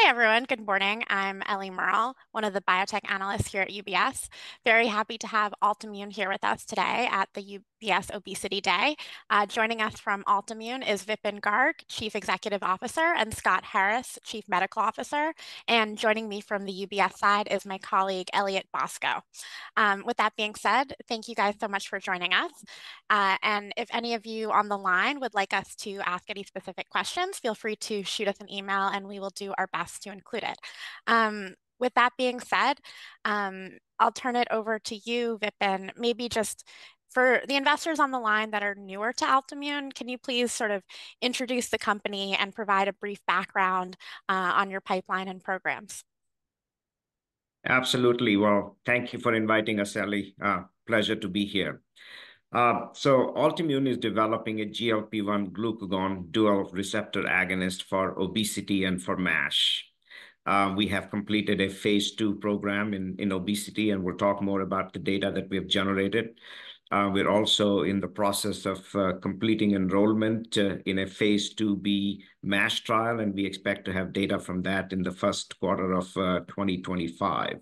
Hi, everyone. Good morning. I'm Eliana Merle, one of the biotech analysts here at UBS. Very happy to have Altimmune here with us today at the UBS Obesity Day. Joining us from Altimmune is Vipin Garg, Chief Executive Officer, and Scott Harris, Chief Medical Officer. And joining me from the UBS side is my colleague, Elliott Bosco. With that being said, thank you guys so much for joining us. And if any of you on the line would like us to ask any specific questions, feel free to shoot us an email, and we will do our best to include it. With that being said, I'll turn it over to you, Vipin. Maybe just for the investors on the line that are newer to Altimmune, can you please sort of introduce the company and provide a brief background on your pipeline and programs? Absolutely. Well, thank you for inviting us, Eliana. Pleasure to be here. So Altimmune is developing a GLP-1 glucagon dual receptor agonist for obesity and for MASH. We have completed a Phase II program in obesity, and we'll talk more about the data that we have generated. We're also in the process of completing enrollment in a Phase IIb MASH trial, and we expect to have data from that in the first quarter of 2025.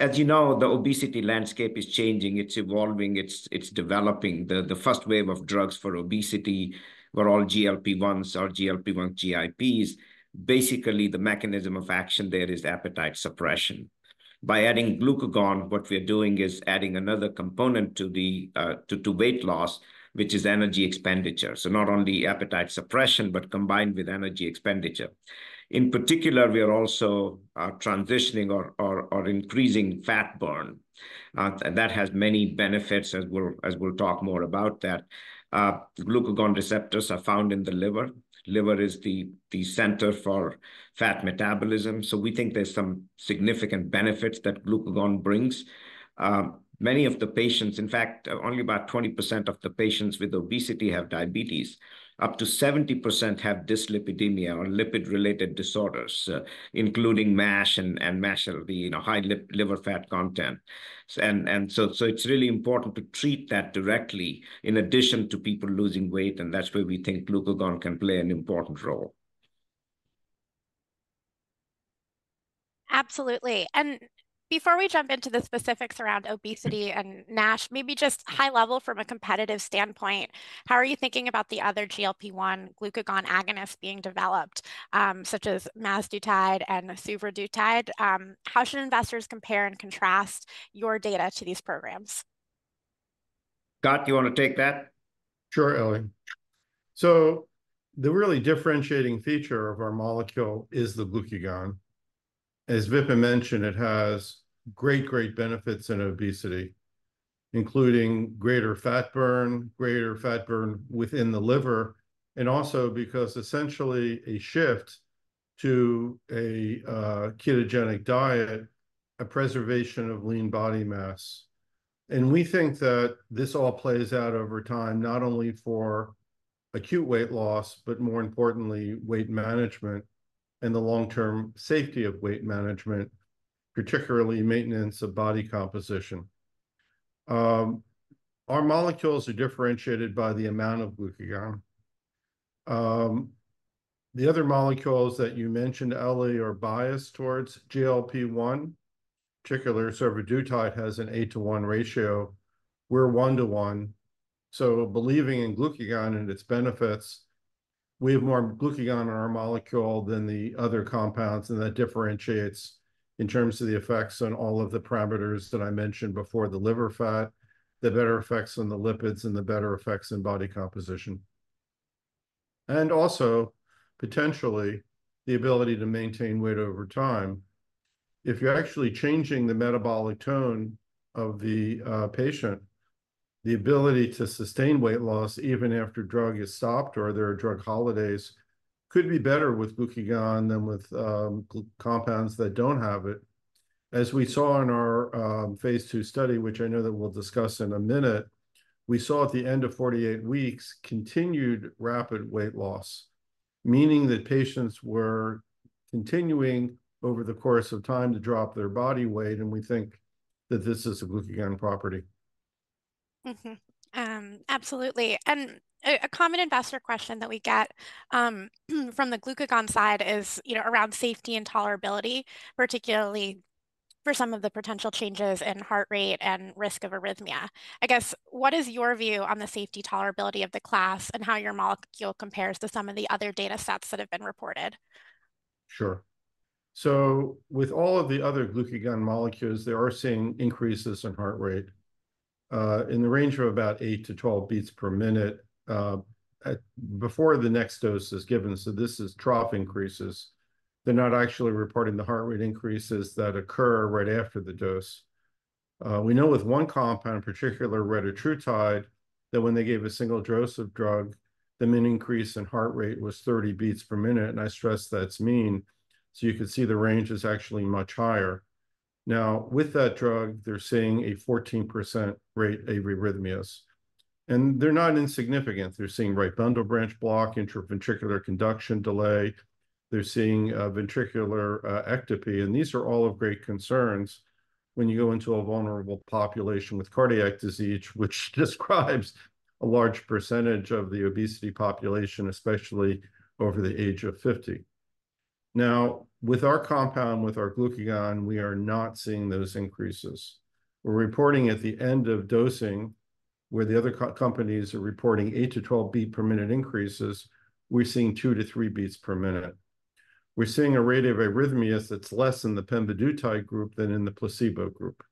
As you know, the obesity landscape is changing. It's evolving, it's developing. The first wave of drugs for obesity were all GLP-1s or GLP-1 GIPs. Basically, the mechanism of action there is appetite suppression. By adding glucagon, what we are doing is adding another component to the to weight loss, which is energy expenditure, so not only appetite suppression, but combined with energy expenditure. In particular, we are also transitioning or increasing fat burn. That has many benefits, as we'll talk more about that. Glucagon receptors are found in the liver. Liver is the center for fat metabolism, so we think there's some significant benefits that glucagon brings. Many of the patients... In fact, only about 20% of the patients with obesity have diabetes. Up to 70% have dyslipidemia or lipid-related disorders, including NASH and MASH, the, you know, high liver fat content. And so it's really important to treat that directly in addition to people losing weight, and that's where we think glucagon can play an important role. Absolutely. Before we jump into the specifics around obesity and MASH, maybe just high level from a competitive standpoint, how are you thinking about the other GLP-1 glucagon agonists being developed, such as mazdutide and survodutide? How should investors compare and contrast your data to these programs? Scott, you want to take that? Sure, Eliana. So the really differentiating feature of our molecule is the glucagon. As Vipin mentioned, it has great, great benefits in obesity, including greater fat burn, greater fat burn within the liver, and also because essentially a shift to a ketogenic diet, a preservation of lean body mass. And we think that this all plays out over time, not only for acute weight loss, but more importantly, weight management and the long-term safety of weight management, particularly maintenance of body composition. Our molecules are differentiated by the amount of glucagon. The other molecules that you mentioned, Eliana, are biased towards GLP-1. Particularly, survodutide has an 8-to-1 ratio. We're 1-to-1. So believing in glucagon and its benefits, we have more glucagon in our molecule than the other compounds, and that differentiates in terms of the effects on all of the parameters that I mentioned before, the liver fat, the better effects on the lipids, and the better effects on body composition. And also, potentially, the ability to maintain weight over time. If you're actually changing the metabolic tone of the patient, the ability to sustain weight loss, even after drug is stopped or there are drug holidays, could be better with glucagon than with compounds that don't have it. As we saw in our Phase II study, which I know that we'll discuss in a minute, we saw at the end of 48 weeks, continued rapid weight loss, meaning that patients were continuing over the course of time to drop their body weight, and we think that this is a glucagon property. Mm-hmm. Absolutely. And a common investor question that we get, from the glucagon side is, you know, around safety and tolerability, particularly for some of the potential changes in heart rate and risk of arrhythmia. I guess, what is your view on the safety tolerability of the class and how your molecule compares to some of the other data sets that have been reported? Sure. So with all of the other glucagon molecules, they are seeing increases in heart rate, in the range of about eight-12 beats per minute, before the next dose is given, so this is trough increases. They're not actually reporting the heart rate increases that occur right after the dose. We know with one compound in particular, retatrutide, that when they gave a single dose of drug, the mean increase in heart rate was 30 beats per minute, and I stress that's mean, so you can see the range is actually much higher. Now, with that drug, they're seeing a 14% rate of arrhythmias, and they're not insignificant. They're seeing right bundle branch block, intraventricular conduction delay. They're seeing, ventricular ectopy, and these are all of great concerns.... When you go into a vulnerable population with cardiac disease, which describes a large percentage of the obesity population, especially over the age of 50. Now, with our compound, with our glucagon, we are not seeing those increases. We're reporting at the end of dosing, where the other companies are reporting eight-12 beats per minute increases, we're seeing two-three beats per minute. We're seeing a rate of arrhythmias that's less in the pemvidutide group than in the placebo group.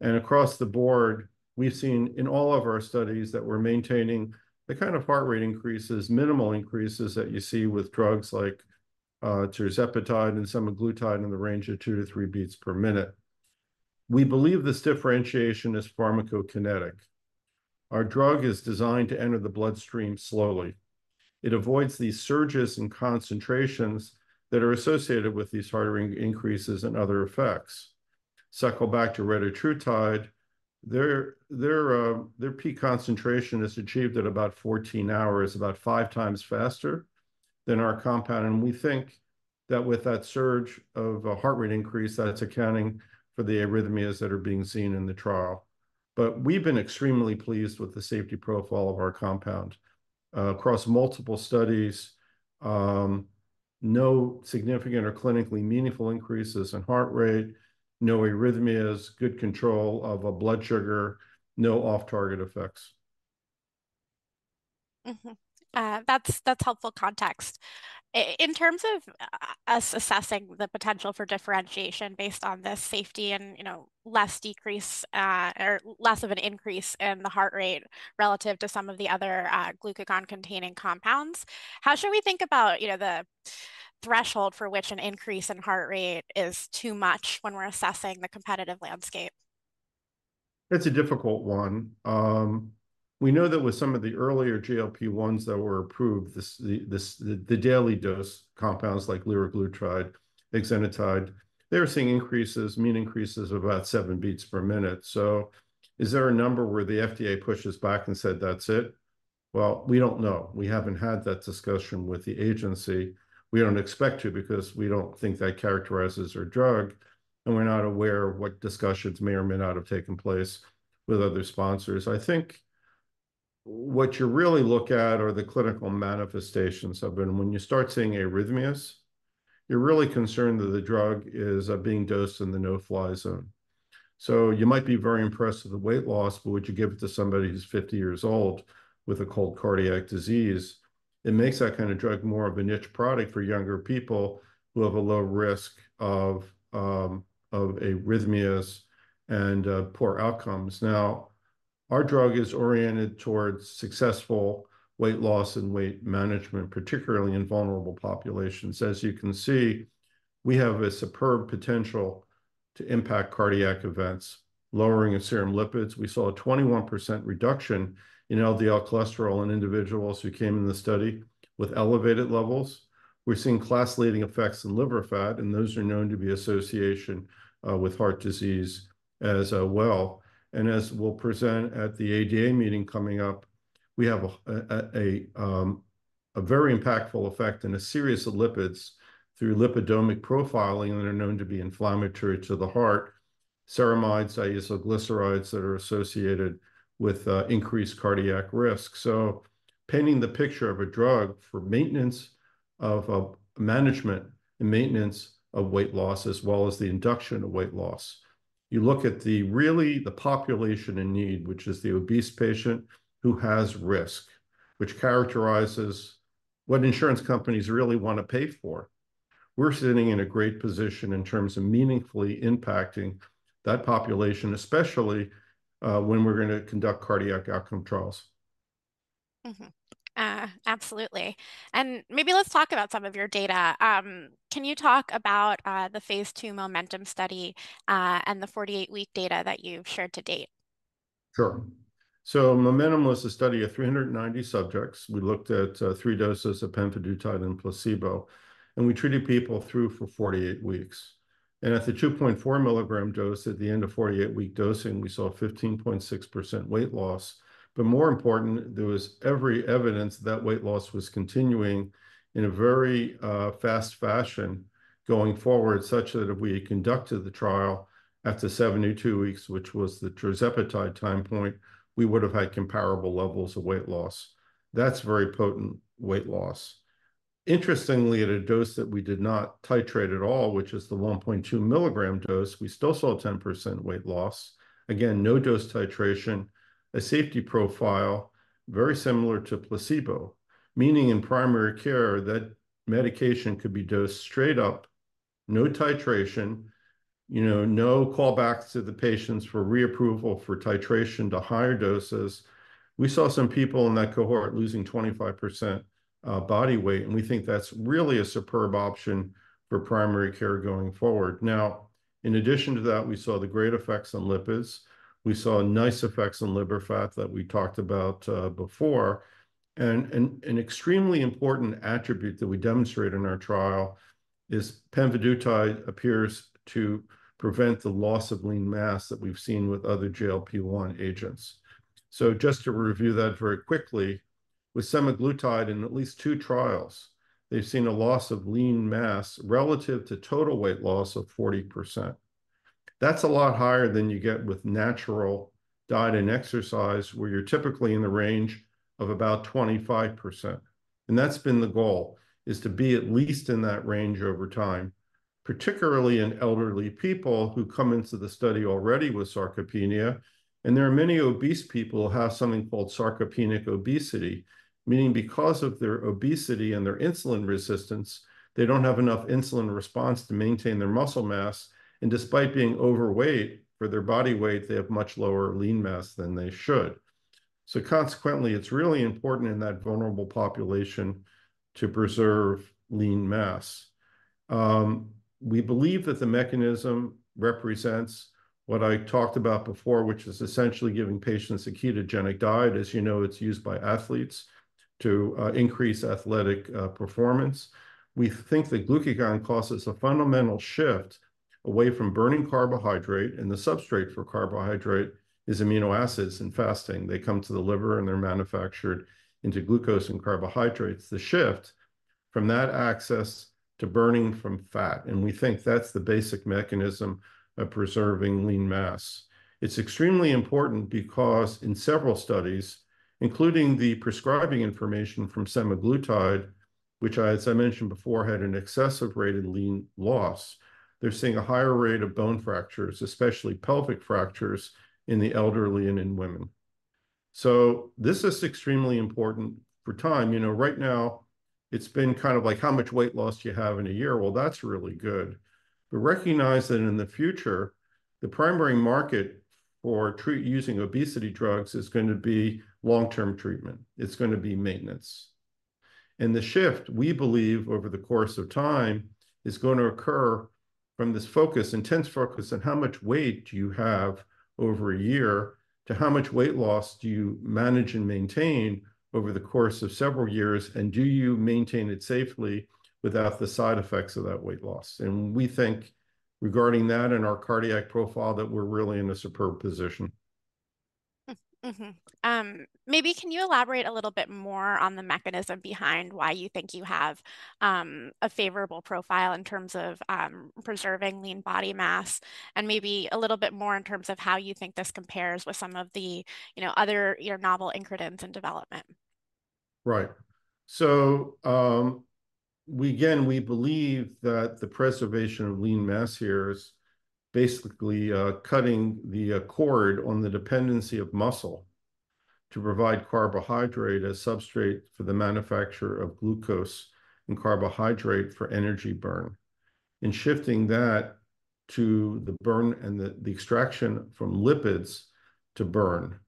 And across the board, we've seen in all of our studies that we're maintaining the kind of heart rate increases, minimal increases, that you see with drugs like tirzepatide and semaglutide in the range of two-three beats per minute. We believe this differentiation is pharmacokinetic. Our drug is designed to enter the bloodstream slowly. It avoids these surges in concentrations that are associated with these heart rate increases and other effects. Circle back to retatrutide, their peak concentration is achieved at about 14 hours, about 5 times faster than our compound, and we think that with that surge of a heart rate increase, that it's accounting for the arrhythmias that are being seen in the trial. But we've been extremely pleased with the safety profile of our compound. Across multiple studies, no significant or clinically meaningful increases in heart rate, no arrhythmias, good control of blood sugar, no off-target effects. Mm-hmm. That's, that's helpful context. In terms of us assessing the potential for differentiation based on the safety and, you know, less decrease or less of an increase in the heart rate relative to some of the other glucagon-containing compounds, how should we think about, you know, the threshold for which an increase in heart rate is too much when we're assessing the competitive landscape? It's a difficult one. We know that with some of the earlier GLP-1s that were approved, the daily dose compounds, like liraglutide, exenatide, they were seeing increases, mean increases of about 7 beats per minute. So is there a number where the FDA pushes back and said, "That's it?" Well, we don't know. We haven't had that discussion with the agency. We don't expect to, because we don't think that characterizes our drug, and we're not aware of what discussions may or may not have taken place with other sponsors. I think what you really look at are the clinical manifestations of them. When you start seeing arrhythmias, you're really concerned that the drug is being dosed in the no-fly zone. So you might be very impressed with the weight loss, but would you give it to somebody who's 50 years old with a known cardiac disease? It makes that kind of drug more of a niche product for younger people who have a low risk of, of arrhythmias and, poor outcomes. Now, our drug is oriented towards successful weight loss and weight management, particularly in vulnerable populations. As you can see, we have a superb potential to impact cardiac events, lowering of serum lipids. We saw a 21% reduction in LDL cholesterol in individuals who came in the study with elevated levels. We're seeing class-leading effects in liver fat, and those are known to be association, with heart disease as well. And as we'll present at the ADA meeting coming up, we have a very impactful effect in a series of lipids through lipidomic profiling, and they're known to be inflammatory to the heart. Ceramides, diacylglycerides that are associated with increased cardiac risk. So painting the picture of a drug for maintenance of a management and maintenance of weight loss, as well as the induction of weight loss. You look at the population in need, which is the obese patient who has risk, which characterizes what insurance companies really want to pay for. We're sitting in a great position in terms of meaningfully impacting that population, especially when we're gonna conduct cardiac outcome trials. Mm-hmm. Absolutely. Maybe let's talk about some of your data. Can you talk about the Phase II MOMENTUM study and the 48-week data that you've shared to date? Sure. So MOMENTUM was a study of 300 subjects. We looked at three doses of pemvidutide and placebo, and we treated people through for 48 weeks. And at the 2.4 milligram dose, at the end of 48-week dosing, we saw a 15.6% weight loss. But more important, there was every evidence that weight loss was continuing in a very fast fashion going forward, such that if we had conducted the trial after 72 weeks, which was the tirzepatide time point, we would have had comparable levels of weight loss. That's very potent weight loss. Interestingly, at a dose that we did not titrate at all, which is the 1.2 milligram dose, we still saw a 10% weight loss. Again, no dose titration, a safety profile very similar to placebo, meaning in primary care, that medication could be dosed straight up, no titration, you know, no callbacks to the patients for reapproval for titration to higher doses. We saw some people in that cohort losing 25%, body weight, and we think that's really a superb option for primary care going forward. Now, in addition to that, we saw the great effects on lipids. We saw nice effects on liver fat that we talked about before. And an extremely important attribute that we demonstrate in our trial is pemvidutide appears to prevent the loss of lean mass that we've seen with other GLP-1 agents. So just to review that very quickly—with semaglutide in at least two trials, they've seen a loss of lean mass relative to total weight loss of 40%. That's a lot higher than you get with natural diet and exercise, where you're typically in the range of about 25%, and that's been the goal, is to be at least in that range over time, particularly in elderly people who come into the study already with sarcopenia. And there are many obese people who have something called sarcopenic obesity, meaning because of their obesity and their insulin resistance, they don't have enough insulin response to maintain their muscle mass, and despite being overweight, for their body weight, they have much lower lean mass than they should. So consequently, it's really important in that vulnerable population to preserve lean mass. We believe that the mechanism represents what I talked about before, which is essentially giving patients a ketogenic diet. As you know, it's used by athletes to increase athletic performance. We think that glucagon causes a fundamental shift away from burning carbohydrate, and the substrate for carbohydrate is amino acids. In fasting, they come to the liver, and they're manufactured into glucose and carbohydrates, the shift from that access to burning from fat, and we think that's the basic mechanism of preserving lean mass. It's extremely important because in several studies, including the prescribing information from semaglutide, which I, as I mentioned before, had an excessive rate of lean loss, they're seeing a higher rate of bone fractures, especially pelvic fractures, in the elderly and in women. So this is extremely important for time. You know, right now, it's been kind of like how much weight loss you have in a year? Well, that's really good. But recognize that in the future, the primary market for treat-- using obesity drugs is going to be long-term treatment. It's going to be maintenance. The shift, we believe, over the course of time, is going to occur from this focus, intense focus on how much weight do you have over a year, to how much weight loss do you manage and maintain over the course of several years, and do you maintain it safely without the side effects of that weight loss? We think regarding that and our cardiac profile, that we're really in a superb position. Maybe can you elaborate a little bit more on the mechanism behind why you think you have a favorable profile in terms of preserving lean body mass, and maybe a little bit more in terms of how you think this compares with some of the, you know, other, you know, novel incretins in development? Right. So, again, we believe that the preservation of lean mass here is basically cutting the cord on the dependency of muscle to provide carbohydrate as substrate for the manufacture of glucose and carbohydrate for energy burn, and shifting that to the burn and the extraction from lipids to burn.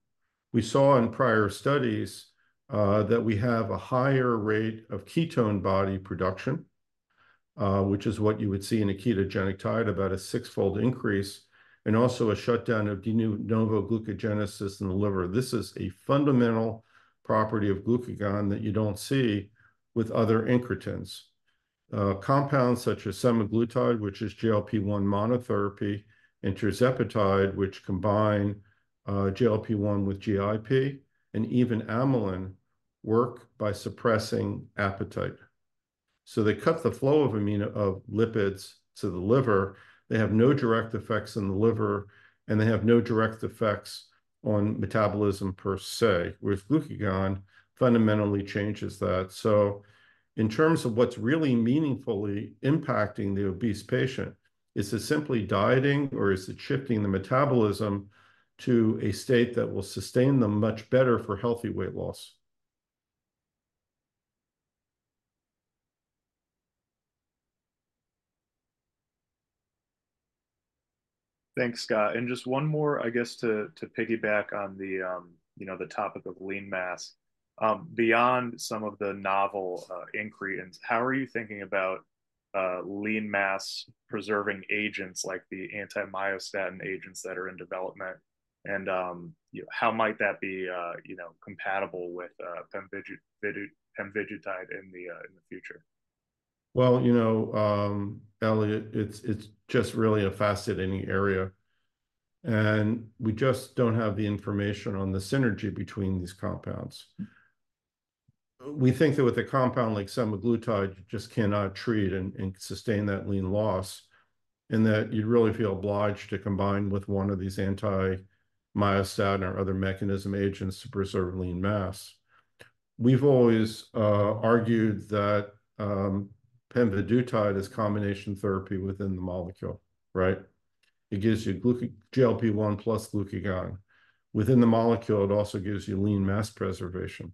We saw in prior studies that we have a higher rate of ketone body production, which is what you would see in a ketogenic diet, about a 6-fold increase, and also a shutdown of de novo gluconeogenesis in the liver. This is a fundamental property of glucagon that you don't see with other incretins. Compounds such as semaglutide, which is GLP-1 monotherapy, and tirzepatide, which combine GLP-1 with GIP, and even amylin, work by suppressing appetite. So they cut the flow of lipids to the liver. They have no direct effects on the liver, and they have no direct effects on metabolism per se, with glucagon fundamentally changes that. So in terms of what's really meaningfully impacting the obese patient, is it simply dieting, or is it shifting the metabolism to a state that will sustain them much better for healthy weight loss? Thanks, Scott. And just one more, I guess, to piggyback on the, you know, the topic of lean mass. Beyond some of the novel incretins, how are you thinking about lean mass preserving agents like the anti-myostatin agents that are in development? And, you know, how might that be, you know, compatible with pemvidutide in the future? Well, you know, Elliott, it's, it's just really a fascinating area, and we just don't have the information on the synergy between these compounds. We think that with a compound like semaglutide, you just cannot treat and, and sustain that lean loss, and that you'd really feel obliged to combine with one of these anti-myostatin or other mechanism agents to preserve lean mass. We've always argued that, pemvidutide is combination therapy within the molecule, right? It gives you gluca- GLP-1 plus glucagon. Within the molecule, it also gives you lean mass preservation.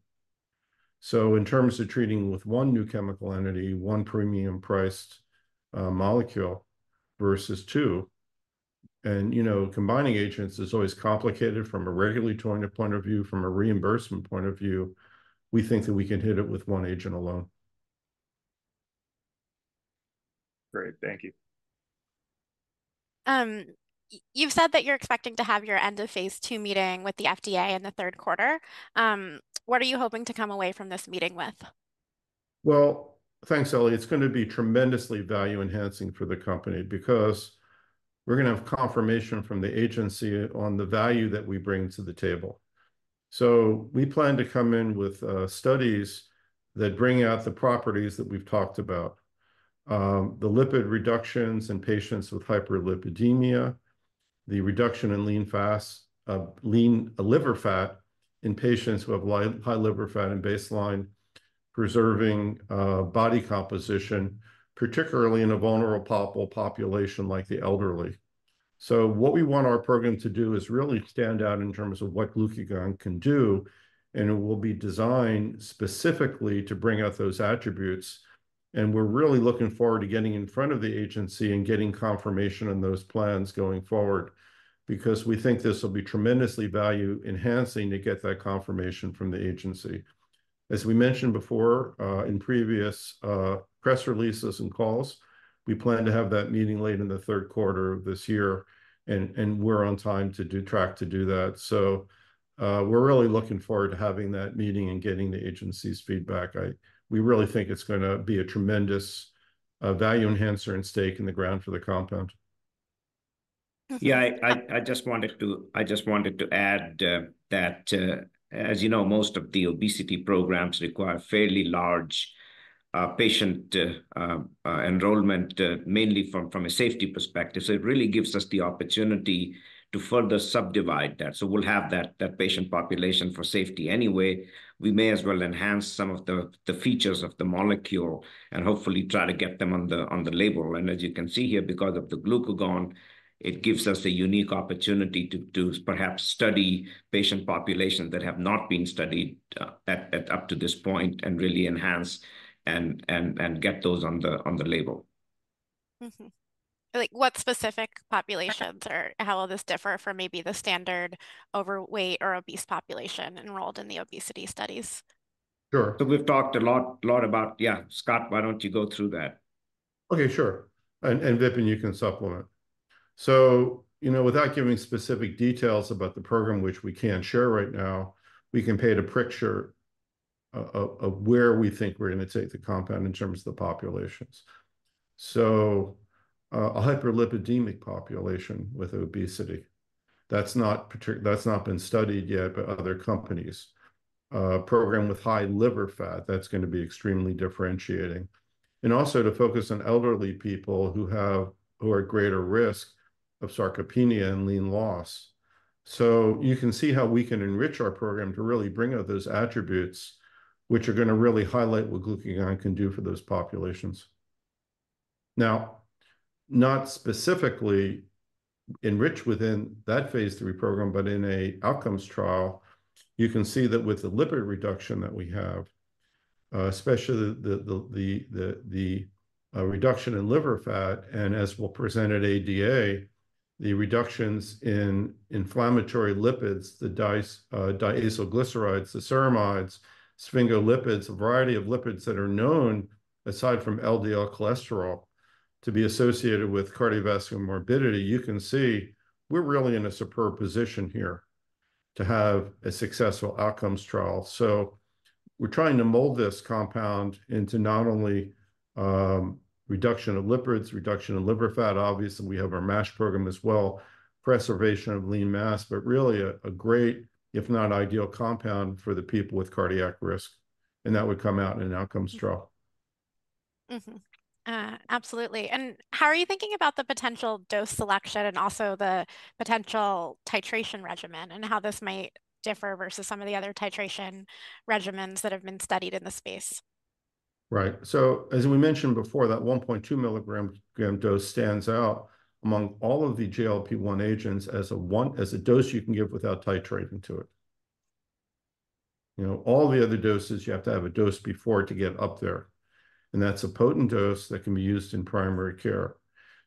So in terms of treating with one new chemical entity, one premium-priced, molecule, versus two, and, you know, combining agents is always complicated from a regulatory point of view, from a reimbursement point of view. We think that we can hit it with one agent alone. Great. Thank you. You've said that you're expecting to have your end-of-Phase II meeting with the FDA in the third quarter. What are you hoping to come away from this meeting with?... Well, thanks, Eliana. It's gonna be tremendously value-enhancing for the company, because we're gonna have confirmation from the agency on the value that we bring to the table. So we plan to come in with studies that bring out the properties that we've talked about. The lipid reductions in patients with hyperlipidemia, the reduction in liver fats, liver fat in patients who have high liver fat at baseline, preserving body composition, particularly in a vulnerable population like the elderly. So what we want our program to do is really stand out in terms of what glucagon can do, and it will be designed specifically to bring out those attributes. We're really looking forward to getting in front of the agency and getting confirmation on those plans going forward, because we think this will be tremendously value-enhancing to get that confirmation from the agency. As we mentioned before, in previous press releases and calls, we plan to have that meeting late in the third quarter of this year, and we're on track to do that. We're really looking forward to having that meeting and getting the agency's feedback. We really think it's gonna be a tremendous value enhancer and stake in the ground for the compound. Yeah, I just wanted to add that, as you know, most of the obesity programs require fairly large patient enrollment, mainly from a safety perspective. So it really gives us the opportunity to further subdivide that. So we'll have that patient population for safety anyway. We may as well enhance some of the features of the molecule and hopefully try to get them on the label. And as you can see here, because of the glucagon, it gives us a unique opportunity to perhaps study patient populations that have not been studied at up to this point and really enhance and get those on the label. Mm-hmm. Like, what specific populations, or how will this differ from maybe the standard overweight or obese population enrolled in the obesity studies? Sure. So we've talked a lot, lot about... Yeah, Scott, why don't you go through that? Okay, sure. And Vipin, you can supplement. So, you know, without giving specific details about the program, which we can't share right now, we can paint a picture of where we think we're gonna take the compound in terms of the populations. So, a hyperlipidemic population with obesity, that's not been studied yet by other companies. A program with high liver fat, that's gonna be extremely differentiating. And also to focus on elderly people who are at greater risk of sarcopenia and lean loss. So you can see how we can enrich our program to really bring out those attributes, which are gonna really highlight what glucagon can do for those populations. Now, not specifically enrich within that Phase III program, but in an outcomes trial, you can see that with the lipid reduction that we have, especially the reduction in liver fat, and as we'll present at ADA, the reductions in inflammatory lipids, the diacylglycerides, the ceramides, sphingolipids, a variety of lipids that are known, aside from LDL cholesterol, to be associated with cardiovascular morbidity. You can see we're really in a superb position here to have a successful outcomes trial. So we're trying to mold this compound into not only reduction of lipids, reduction of liver fat, obviously we have our MASH program as well, preservation of lean mass, but really a great, if not ideal, compound for the people with cardiac risk, and that would come out in an outcomes trial. Mm-hmm. Absolutely. How are you thinking about the potential dose selection and also the potential titration regimen, and how this might differ versus some of the other titration regimens that have been studied in the space? Right. So as we mentioned before, that 1.2 milligram dose stands out among all of the GLP-1 agents as a dose you can give without titrating to it. You know, all the other doses, you have to have a dose before to get up there, and that's a potent dose that can be used in primary care.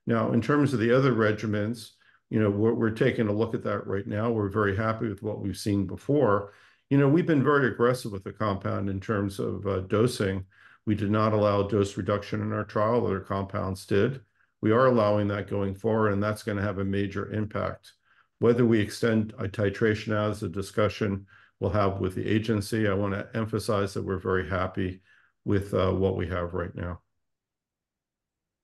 Now, in terms of the other regimens, you know, we're taking a look at that right now. We're very happy with what we've seen before. You know, we've been very aggressive with the compound in terms of dosing. We did not allow dose reduction in our trial, other compounds did. We are allowing that going forward, and that's gonna have a major impact. Whether we extend a titration out is a discussion we'll have with the agency. I want to emphasize that we're very happy with what we have right now.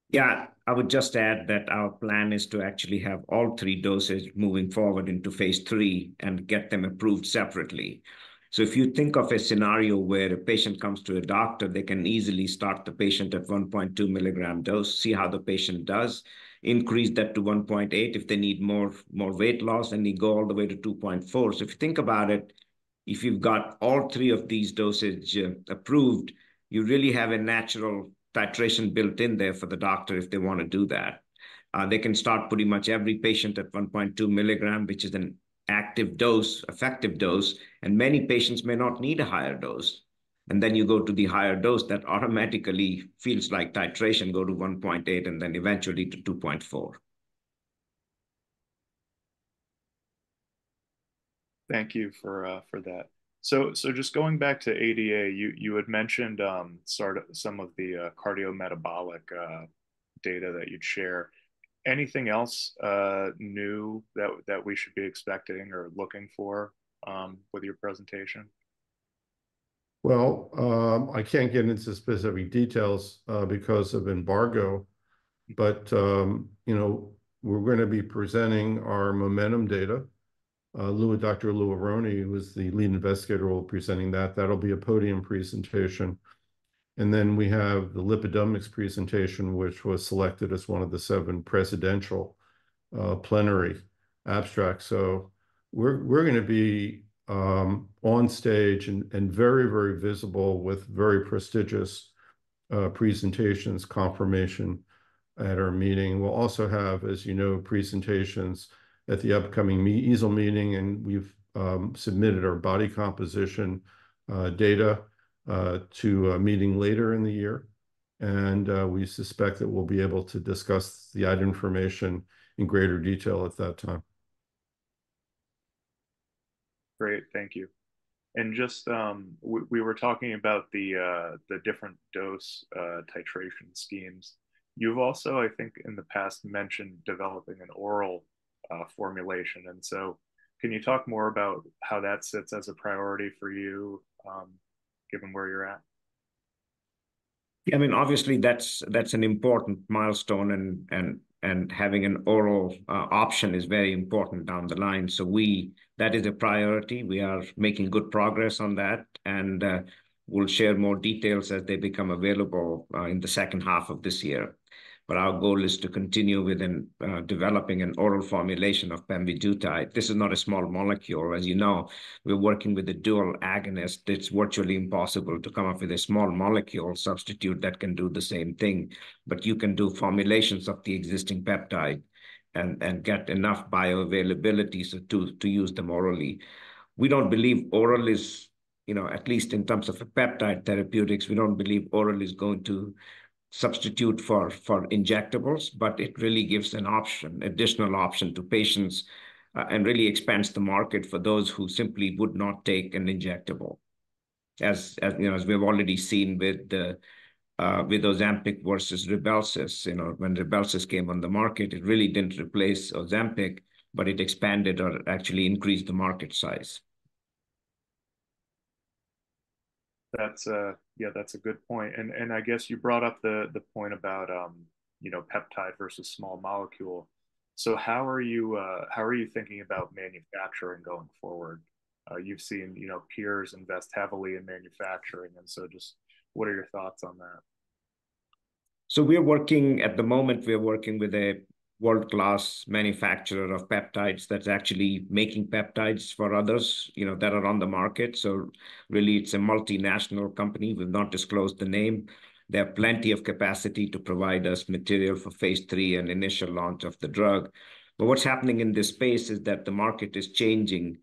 Yeah, I would just add that our plan is to actually have all three doses moving forward into Phase III and get them approved separately. So if you think of a scenario where a patient comes to a doctor, they can easily start the patient at 1.2 milligram dose, see how the patient does, increase that to 1.8 if they need more, more weight loss, and they go all the way to 2.4. So if you think about it, if you've got all three of these dosage approved, you really have a natural titration built in there for the doctor if they want to do that. They can start pretty much every patient at 1.2 milligram, which is an active dose, effective dose, and many patients may not need a higher dose. And then you go to the higher dose, that automatically feels like titration, go to 1.8, and then eventually to 2.4. Thank you for that. So just going back to ADA, you had mentioned sort of some of the cardiometabolic profile data that you'd share. Anything else new that we should be expecting or looking for with your presentation? Well, I can't get into specific details because of embargo, but you know, we're gonna be presenting our MOMENTUM data. Dr. Louis Aronne, who is the lead investigator, will be presenting that. That'll be a podium presentation. And then we have the lipidomics presentation, which was selected as one of the seven presidential plenary abstracts. So we're gonna be on stage and very, very visible with very prestigious presentations confirmation at our meeting. We'll also have, as you know, presentations at the upcoming EASL meeting, and we've submitted our body composition data to a meeting later in the year. And we suspect that we'll be able to discuss the information in greater detail at that time. Great, thank you. And just, we were talking about the different dose titration schemes. You've also, I think, in the past, mentioned developing an oral formulation. And so can you talk more about how that sits as a priority for you, given where you're at? I mean, obviously, that's, that's an important milestone, and, and, and having an oral option is very important down the line. That is a priority. We are making good progress on that, and, we'll share more details as they become available, in the second half of this year. But our goal is to continue with the, developing an oral formulation of pemvidutide. This is not a small molecule. As you know, we're working with a dual agonist. It's virtually impossible to come up with a small molecule substitute that can do the same thing, but you can do formulations of the existing peptide and, and get enough bioavailability, so, to, to use them orally. We don't believe oral is, you know, at least in terms of peptide therapeutics, we don't believe oral is going to substitute for injectables, but it really gives an option, additional option to patients, and really expands the market for those who simply would not take an injectable. As you know, as we've already seen with Ozempic versus Rybelsus. You know, when Rybelsus came on the market, it really didn't replace Ozempic, but it expanded or actually increased the market size. That's... Yeah, that's a good point. And I guess you brought up the point about, you know, peptide versus small molecule. So how are you, how are you thinking about manufacturing going forward? You've seen, you know, peers invest heavily in manufacturing, and so just what are your thoughts on that? So we are working; at the moment, we are working with a world-class manufacturer of peptides that's actually making peptides for others, you know, that are on the market. So really, it's a multinational company. We've not disclosed the name. They have plenty of capacity to provide us material for Phase III and initial launch of the drug. But what's happening in this space is that the market is changing.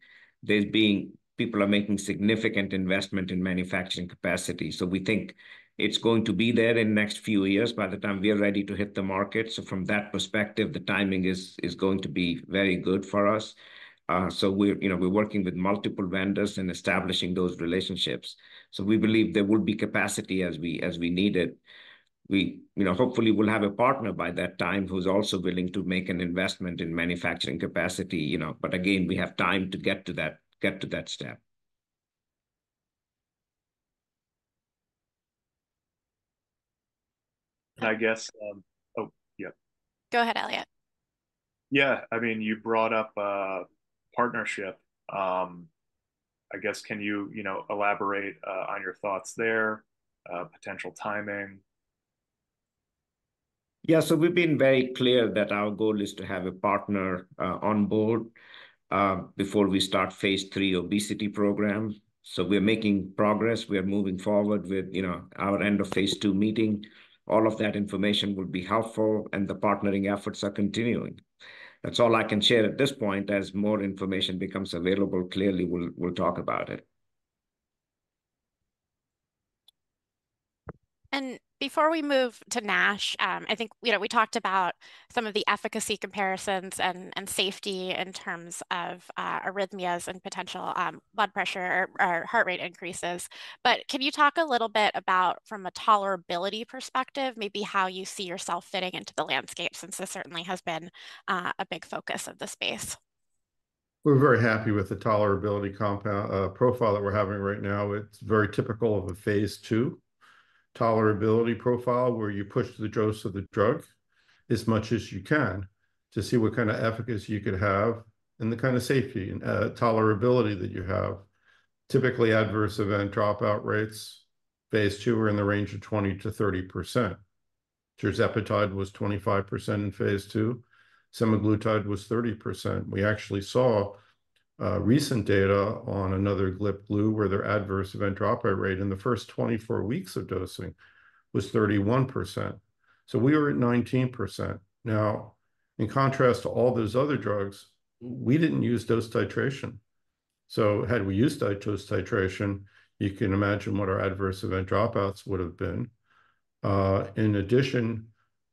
There are people making significant investment in manufacturing capacity, so we think it's going to be there in the next few years by the time we are ready to hit the market. So from that perspective, the timing is going to be very good for us. So we're, you know, we're working with multiple vendors in establishing those relationships. So we believe there would be capacity as we need it. We, you know, hopefully will have a partner by that time, who's also willing to make an investment in manufacturing capacity, you know. But again, we have time to get to that, get to that step. I guess. Oh, yeah. Go ahead, Elliott. Yeah, I mean, you brought up partnership. I guess, can you, you know, elaborate on your thoughts there, potential timing? Yeah, so we've been very clear that our goal is to have a partner on board before we start Phase III obesity program. So we're making progress. We're moving forward with, you know, our end of Phase II meeting. All of that information would be helpful, and the partnering efforts are continuing. That's all I can share at this point. As more information becomes available, clearly, we'll talk about it. Before we move to NASH, I think, you know, we talked about some of the efficacy comparisons and safety in terms of arrhythmias and potential blood pressure or heart rate increases. But can you talk a little bit about, from a tolerability perspective, maybe how you see yourself fitting into the landscape, since this certainly has been a big focus of the space? We're very happy with the tolerability compound profile that we're having right now. It's very typical of a Phase II tolerability profile, where you push the dose of the drug as much as you can to see what kind of efficacy you could have and the kind of safety and tolerability that you have. Typically, adverse event dropout rates, Phase II are in the range of 20%-30%. Tirzepatide was 25% in Phase II, semaglutide was 30%. We actually saw recent data on another GLP/glucagon, where their adverse event dropout rate in the first 24 weeks of dosing was 31%. So we were at 19%. Now, in contrast to all those other drugs, we didn't use dose titration. So had we used dose titration, you can imagine what our adverse event dropouts would have been. In addition,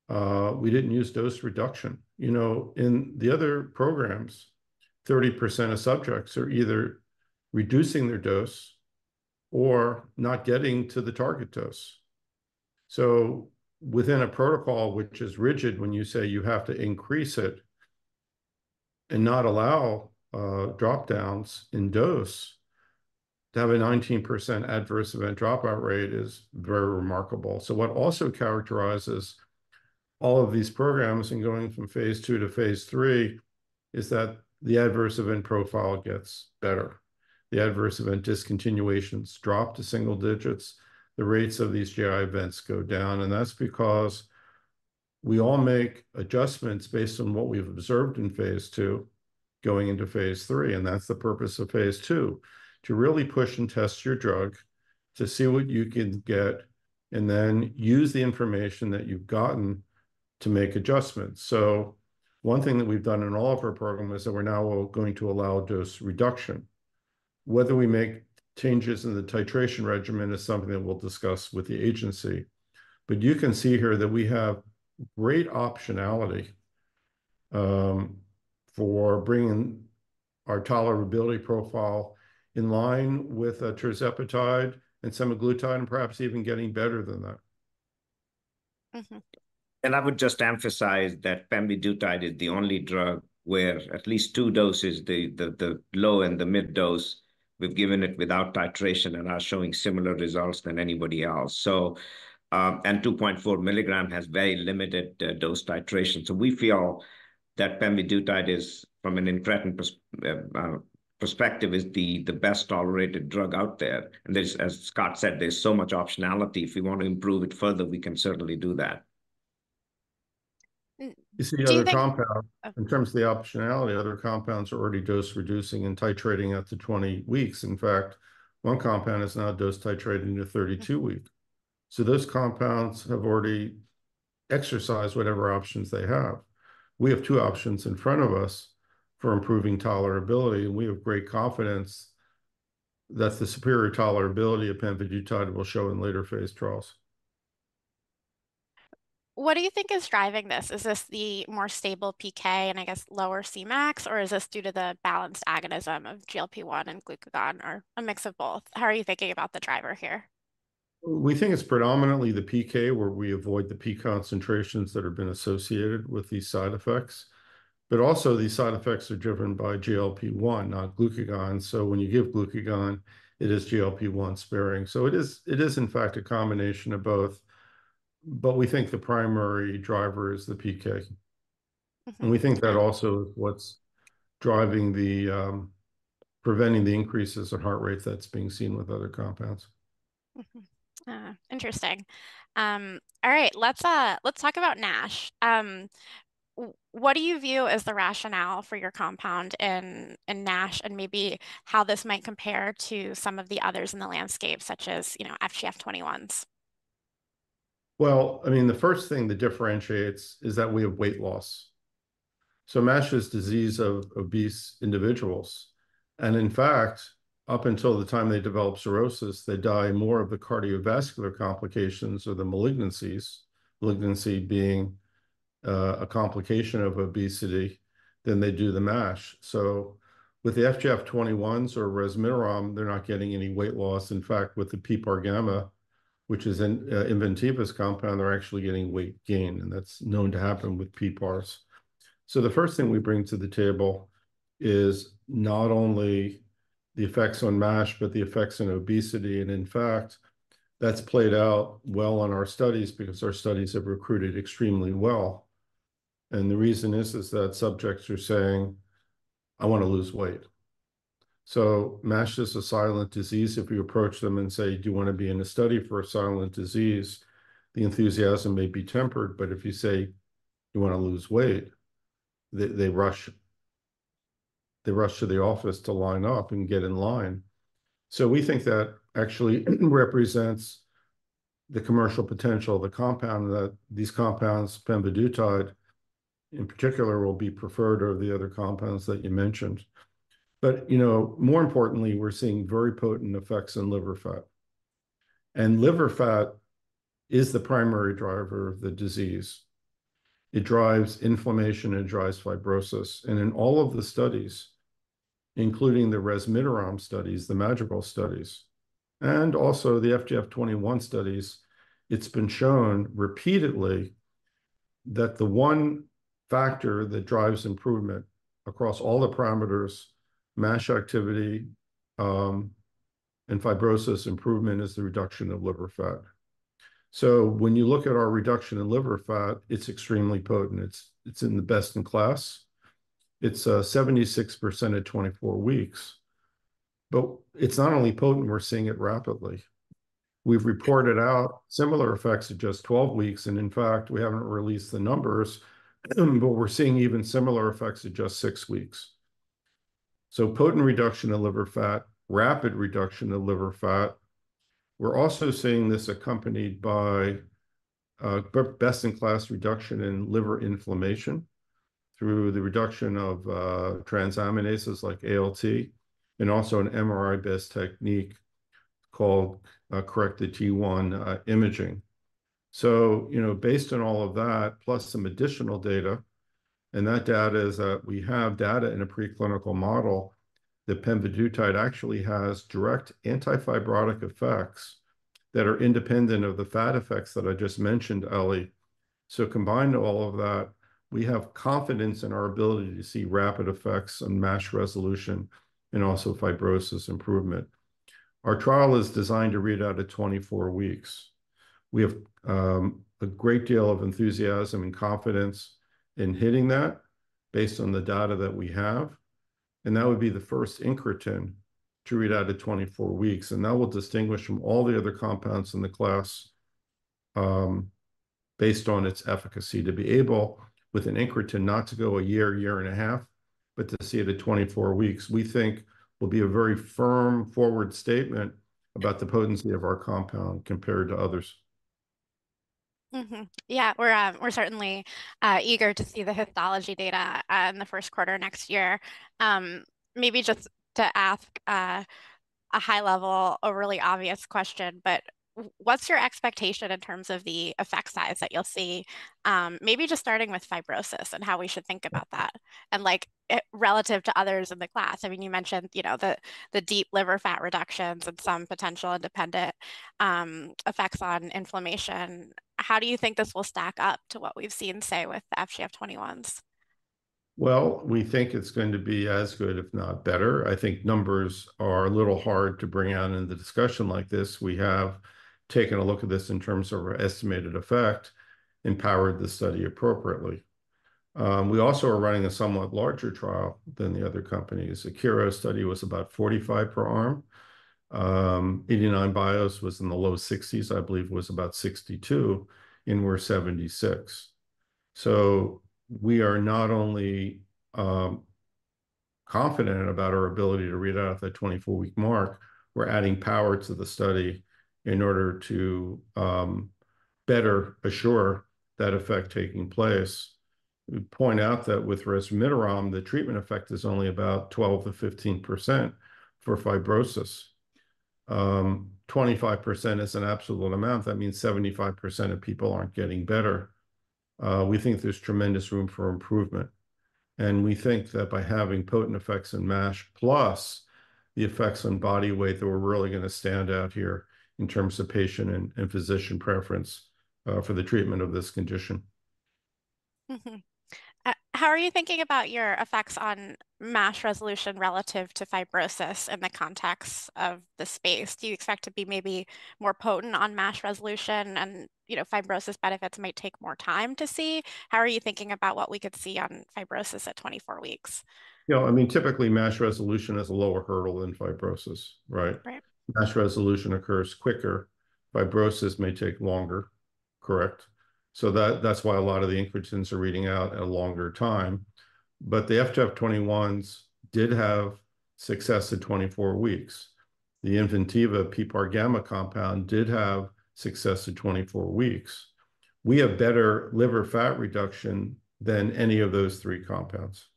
we didn't use dose reduction. You know, in the other programs, 30% of subjects are either reducing their dose or not getting to the target dose. So within a protocol, which is rigid, when you say you have to increase it and not allow drop-downs in dose, to have a 19% adverse event dropout rate is very remarkable. So what also characterizes all of these programs and going from Phase II to Phase III, is that the adverse event profile gets better. The adverse event discontinuations drop to single digits, the rates of these GI events go down, and that's because we all make adjustments based on what we've observed in Phase II going into Phase III, and that's the purpose of Phase II: to really push and test your drug, to see what you can get, and then use the information that you've gotten to make adjustments. So one thing that we've done in all of our program is that we're now all going to allow dose reduction. Whether we make changes in the titration regimen is something that we'll discuss with the agency. But you can see here that we have great optionality for bringing our tolerability profile in line with tirzepatide and semaglutide, and perhaps even getting better than that. Mm-hmm. I would just emphasize that pemvidutide is the only drug where at least two doses, the low and the mid dose, we've given it without titration and are showing similar results than anybody else. So, and 2.4 milligram has very limited dose titration. So we feel that pemvidutide is, from an incretin perspective, the best-tolerated drug out there. And there's, as Scott said, there's so much optionality. If we want to improve it further, we can certainly do that. Mm, do you think- You see the other compound... In terms of the optionality, other compounds are already dose reducing and titrating up to 20 weeks. In fact, one compound is now dose titrating to 32 weeks. So those compounds have already exercised whatever options they have. We have two options in front of us for improving tolerability, and we have great confidence that the superior tolerability of pemvidutide will show in later phase trials. What do you think is driving this? Is this the more stable PK and I guess lower Cmax, or is this due to the balanced agonism of GLP-1 and glucagon, or a mix of both? How are you thinking about the driver here? We think it's predominantly the PK, where we avoid the peak concentrations that have been associated with these side effects. But also, these side effects are driven by GLP-1, not glucagon, so when you give glucagon, it is GLP-1 sparing. So it is, in fact, a combination of both, but we think the primary driver is the PK. Mm-hmm. We think that also what's driving the preventing the increases in heart rate that's being seen with other compounds. Mm-hmm. Interesting. All right, let's talk about NASH. What do you view as the rationale for your compound in NASH, and maybe how this might compare to some of the others in the landscape, such as, you know, FGF21s? Well, I mean, the first thing that differentiates is that we have weight loss. So MASH is disease of obese individuals, and in fact, up until the time they develop cirrhosis, they die more of the cardiovascular complications or the malignancies, malignancy being, a complication of obesity, than they do the MASH. So with the FGF21s or resmetirom, they're not getting any weight loss. In fact, with the PPAR gamma, which is in, Inventiva's compound, they're actually getting weight gain, and that's known to happen with PPARs. So the first thing we bring to the table is not only the effects on MASH, but the effects on obesity. And in fact, that's played out well on our studies because our studies have recruited extremely well. And the reason is that subjects are saying, "I want to lose weight." So MASH is a silent disease. If you approach them and say, "Do you want to be in a study for a silent disease?" The enthusiasm may be tempered, but if you say, "You want to lose weight," they, they rush, they rush to the office to line up and get in line. So we think that actually represents the commercial potential of the compound, that these compounds, pemvidutide in particular, will be preferred over the other compounds that you mentioned. But, you know, more importantly, we're seeing very potent effects in liver fat, and liver fat is the primary driver of the disease. It drives inflammation and it drives fibrosis. And in all of the studies, including the resmetirom studies, the Madrigal studies, and also the FGF21 studies, it's been shown repeatedly that the one factor that drives improvement across all the parameters, MASH activity, and fibrosis improvement, is the reduction of liver fat. So when you look at our reduction in liver fat, it's extremely potent. It's in the best-in-class. It's 76% at 24 weeks. But it's not only potent, we're seeing it rapidly. We've reported out similar effects at just 12 weeks, and in fact, we haven't released the numbers, but we're seeing even similar effects at just 6 weeks. So potent reduction in liver fat, rapid reduction in liver fat. We're also seeing this accompanied by best-in-class reduction in liver inflammation through the reduction of transaminases like ALT and also an MRI-based technique called corrected T1 imaging. So, you know, based on all of that, plus some additional data, and that data is that we have data in a preclinical model that pemvidutide actually has direct anti-fibrotic effects that are independent of the fat effects that I just mentioned, Eliana. So combined all of that, we have confidence in our ability to see rapid effects on MASH resolution and also fibrosis improvement. Our trial is designed to read out at 24 weeks. We have a great deal of enthusiasm and confidence in hitting that based on the data that we have, and that would be the first incretin to read out at 24 weeks. And that will distinguish from all the other compounds in the class based on its efficacy. To be able, with an incretin, not to go a year, year and a half, but to see it at 24 weeks, we think will be a very firm forward statement about the potency of our compound compared to others. Mm-hmm. Yeah, we're certainly eager to see the histology data in the first quarter next year. Maybe just to ask a high level, a really obvious question, but what's your expectation in terms of the effect size that you'll see? Maybe just starting with fibrosis and how we should think about that. And, like, relative to others in the class. I mean, you mentioned, you know, the deep liver fat reductions and some potential independent effects on inflammation. How do you think this will stack up to what we've seen, say, with the FGF-21s? Well, we think it's going to be as good, if not better. I think numbers are a little hard to bring out in a discussion like this. We have taken a look at this in terms of our estimated effect and powered the study appropriately. We also are running a somewhat larger trial than the other companies. Akero study was about 45 per arm. 89bio was in the low 60s, I believe it was about 62, and we're 76. So we are not only confident about our ability to read out at that 24-week mark, we're adding power to the study in order to better assure that effect taking place. We point out that with resmetirom, the treatment effect is only about 12%-15% for fibrosis. 25% is an absolute amount. That means 75% of people aren't getting better. We think there's tremendous room for improvement, and we think that by having potent effects in MASH, plus the effects on body weight, that we're really gonna stand out here in terms of patient and physician preference, for the treatment of this condition. Mm-hmm. How are you thinking about your effects on MASH resolution relative to fibrosis in the context of the space? Do you expect to be maybe more potent on MASH resolution and, you know, fibrosis benefits might take more time to see? How are you thinking about what we could see on fibrosis at 24 weeks? You know, I mean, typically, MASH resolution is a lower hurdle than fibrosis, right? Right. MASH resolution occurs quicker. Fibrosis may take longer. Correct. So that, that's why a lot of the incretins are reading out at a longer time. But the FGF21s did have success at 24 weeks. The Inventiva PPAR gamma compound did have success at 24 weeks. We have better liver fat reduction than any of those three compounds.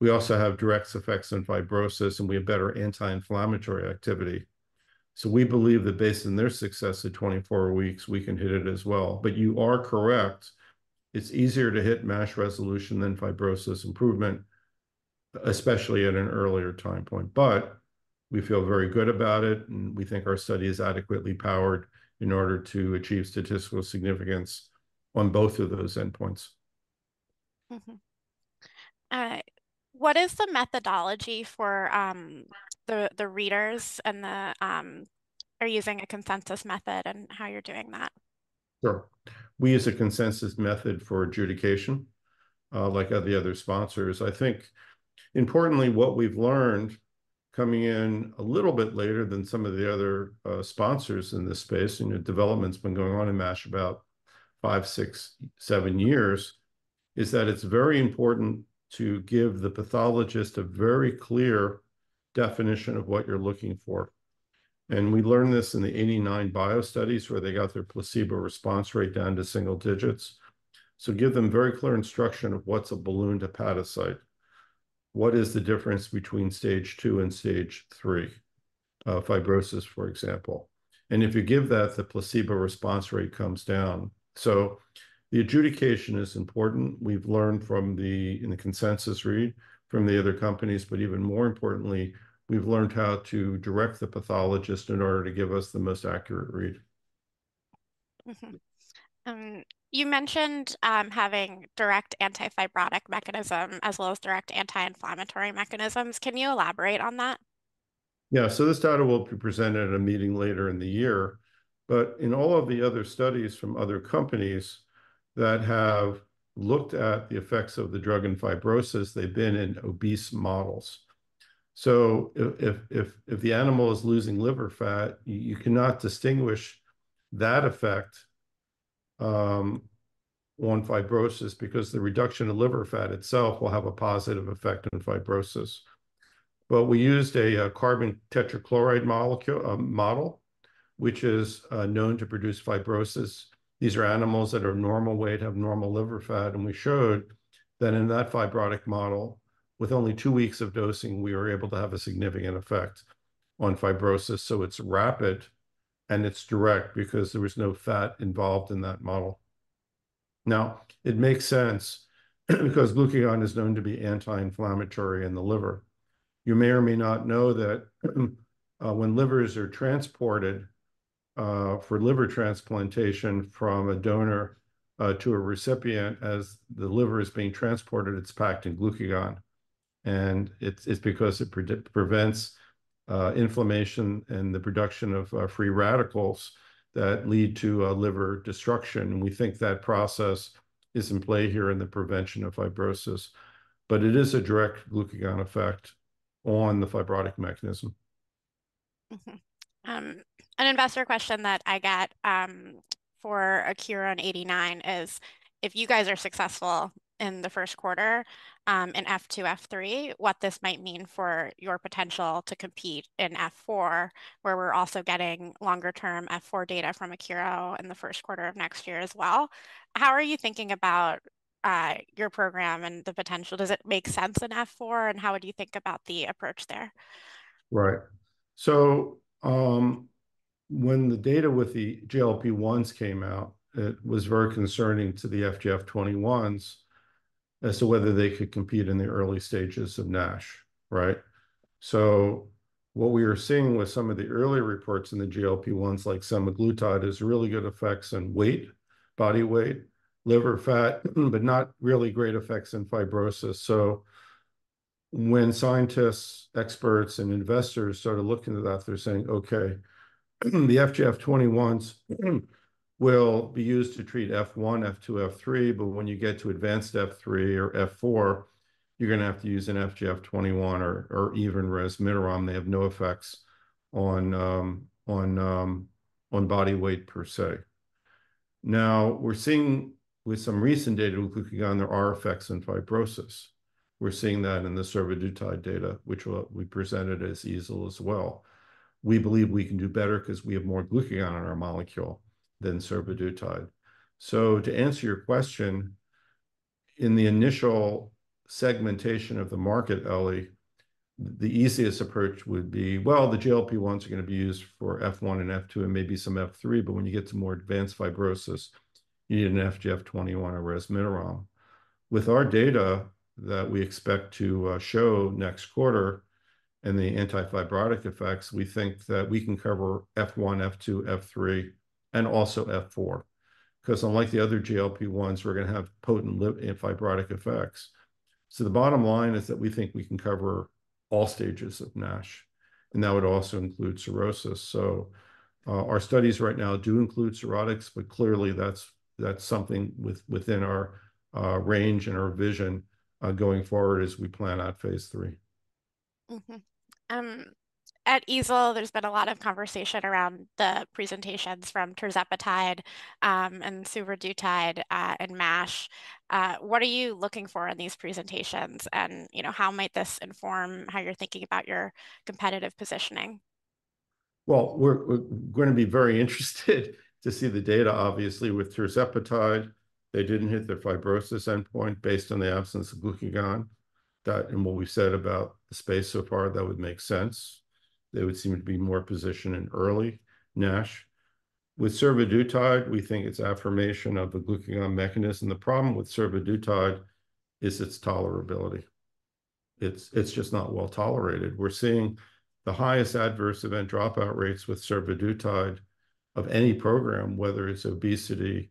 We also have direct effects on fibrosis, and we have better anti-inflammatory activity. So we believe that based on their success at 24 weeks, we can hit it as well. But you are correct, it's easier to hit MASH resolution than fibrosis improvement, especially at an earlier time point. But we feel very good about it, and we think our study is adequately powered in order to achieve statistical significance on both of those endpoints. Mm-hmm. What is the methodology for the readers and the? Are you using a consensus method in how you're doing that? Sure. We use a consensus method for adjudication, like other sponsors. I think importantly, what we've learned, coming in a little bit later than some of the other sponsors in this space, and your development's been going on in MASH about 5, 6, 7 years, is that it's very important to give the pathologist a very clear definition of what you're looking for. And we learned this in the 89bio studies, where they got their placebo response rate down to single digits. So give them very clear instruction of what's a ballooned hepatocyte. What is the difference between stage 2 and stage 3 fibrosis, for example. And if you give that, the placebo response rate comes down. So the adjudication is important. We've learned from the consensus read from the other companies, but even more importantly, we've learned how to direct the pathologist in order to give us the most accurate read. Mm-hmm. You mentioned having direct anti-fibrotic mechanism as well as direct anti-inflammatory mechanisms. Can you elaborate on that? Yeah. So this data will be presented at a meeting later in the year, but in all of the other studies from other companies that have looked at the effects of the drug and fibrosis, they've been in obese models. So if the animal is losing liver fat, you cannot distinguish that effect on fibrosis, because the reduction of liver fat itself will have a positive effect on fibrosis. But we used a carbon tetrachloride model, which is known to produce fibrosis. These are animals that are normal weight, have normal liver fat, and we showed that in that fibrotic model, with only two weeks of dosing, we were able to have a significant effect on fibrosis. So it's rapid, and it's direct, because there was no fat involved in that model. Now, it makes sense because glucagon is known to be anti-inflammatory in the liver. You may or may not know that, when livers are transported for liver transplantation from a donor to a recipient, as the liver is being transported, it's packed in glucagon, and it's because it prevents inflammation and the production of free radicals that lead to liver destruction. And we think that process is in play here in the prevention of fibrosis. But it is a direct glucagon effect on the fibrotic mechanism. Mm-hmm. An investor question that I got for Akero and 89bio is, if you guys are successful in the first quarter in F2, F3, what this might mean for your potential to compete in F4, where we're also getting longer-term F4 data from Akero in the first quarter of next year as well. How are you thinking about your program and the potential? Does it make sense in F4, and how would you think about the approach there? Right. So, when the data with the GLP-1s came out, it was very concerning to the FGF21s as to whether they could compete in the early stages of NASH, right? So what we are seeing with some of the earlier reports in the GLP-1s, like semaglutide, is really good effects in weight, body weight, liver fat, but not really great effects in fibrosis. So when scientists, experts, and investors started looking at that, they're saying, "Okay, the FGF21s will be used to treat F1, F2, F3, but when you get to advanced F3 or F4, you're gonna have to use an FGF21 or, or even resmetirom. They have no effects on, on, on body weight per se." Now, we're seeing with some recent data with glucagon, there are effects in fibrosis. We're seeing that in the survodutide data, which we presented as EASL as well. We believe we can do better 'cause we have more glucagon in our molecule than survodutide. So to answer your question, in the initial segmentation of the market, Eliana, the easiest approach would be, well, the GLP-1s are gonna be used for F1 and F2 and maybe some F3, but when you get to more advanced fibrosis, you need an FGF21 or resmetirom. With our data that we expect to show next quarter and the anti-fibrotic effects, we think that we can cover F1, F2, F3, and also F4. 'Cause unlike the other GLP-1s, we're gonna have potently antifibrotic effects. So the bottom line is that we think we can cover all stages of NASH, and that would also include cirrhosis. So, our studies right now do include cirrhotics, but clearly, that's something within our range and our vision, going forward as we plan out Phase III. At EASL, there's been a lot of conversation around the presentations from tirzepatide, and survodutide, and MASH. What are you looking for in these presentations, and, you know, how might this inform how you're thinking about your competitive positioning? Well, we're, we're gonna be very interested to see the data. Obviously, with tirzepatide, they didn't hit their fibrosis endpoint based on the absence of glucagon. That, and what we've said about the space so far, that would make sense. They would seem to be more positioned in early NASH. With survodutide, we think it's affirmation of the glucagon mechanism. The problem with survodutide is its tolerability. It's, it's just not well-tolerated. We're seeing the highest adverse event dropout rates with survodutide of any program, whether it's obesity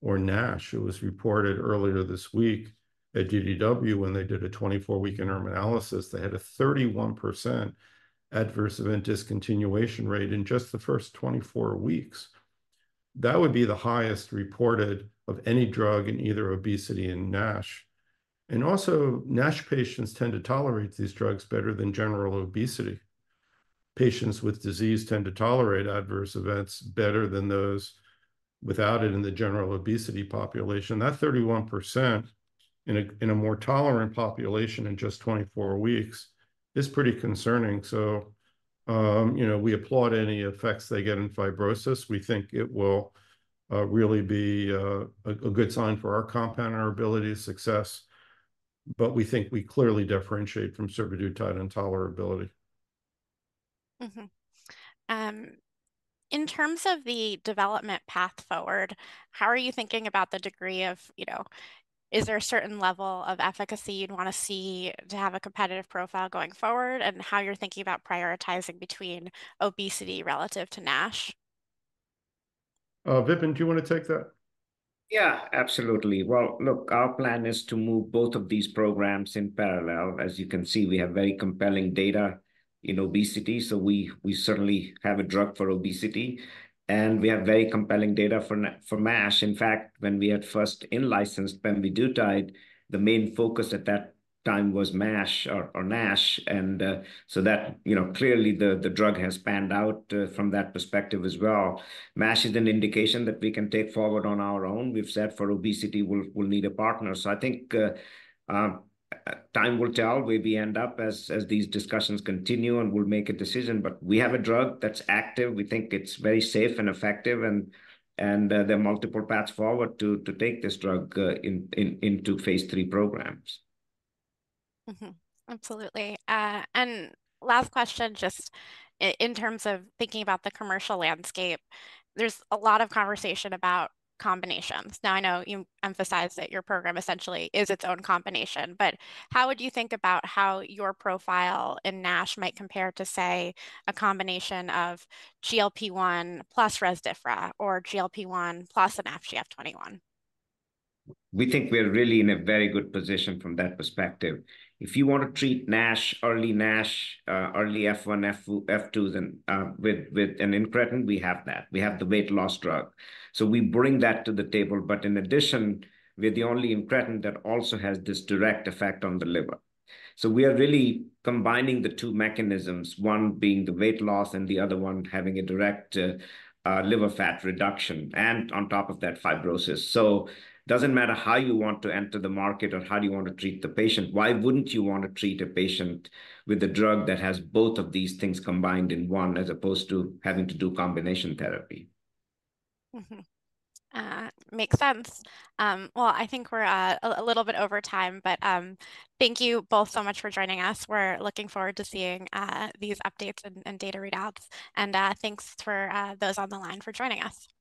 or NASH. It was reported earlier this week at DDW when they did a 24-week interim analysis, they had a 31% adverse event discontinuation rate in just the first 24 weeks. That would be the highest reported of any drug in either obesity and NASH. And also, NASH patients tend to tolerate these drugs better than general obesity. Patients with disease tend to tolerate adverse events better than those without it in the general obesity population. That 31% in a more tolerant population in just 24 weeks is pretty concerning. So, you know, we applaud any effects they get in fibrosis. We think it will really be a good sign for our compound and our ability to success, but we think we clearly differentiate from survodutide in tolerability. Mm-hmm. In terms of the development path forward, how are you thinking about the degree of, you know... Is there a certain level of efficacy you'd wanna see to have a competitive profile going forward, and how you're thinking about prioritizing between obesity relative to NASH? Vipin, do you wanna take that? Yeah, absolutely. Well, look, our plan is to move both of these programs in parallel. As you can see, we have very compelling data in obesity, so we, we certainly have a drug for obesity, and we have very compelling data for na- for MASH. In fact, when we had first in-licensed pemvidutide, the main focus at that time was MASH or, or NASH, and, so that, you know, clearly, the, the drug has panned out, from that perspective as well. MASH is an indication that we can take forward on our own. We've said for obesity, we'll, we'll need a partner. So I think, time will tell where we end up as, as these discussions continue, and we'll make a decision. But we have a drug that's active. We think it's very safe and effective, and there are multiple paths forward to take this drug into Phase III programs. Mm-hmm. Absolutely. And last question, just in terms of thinking about the commercial landscape, there's a lot of conversation about combinations. Now, I know you emphasized that your program essentially is its own combination, but how would you think about how your profile in NASH might compare to, say, a combination of GLP-1 plus Rezdiffra or GLP-1 plus an FGF21? We think we're really in a very good position from that perspective. If you want to treat NASH, early NASH, early F1, F2, with, with an incretin, we have that. We have the weight loss drug. So we bring that to the table, but in addition, we're the only incretin that also has this direct effect on the liver. So we are really combining the two mechanisms, one being the weight loss and the other one having a direct, liver fat reduction, and on top of that, fibrosis. So doesn't matter how you want to enter the market or how you want to treat the patient, why wouldn't you want to treat a patient with a drug that has both of these things combined in one as opposed to having to do combination therapy? Mm-hmm. Makes sense. Well, I think we're a little bit over time, but thank you both so much for joining us. We're looking forward to seeing these updates and data readouts. And thanks for those on the line for joining us.